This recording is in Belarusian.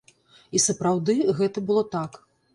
І, сапраўды, гэта было так.